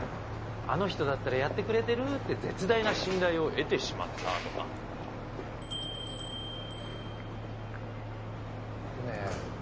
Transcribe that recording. あの人だったらやってくれてるって絶大な信頼を得てしまったとかねえ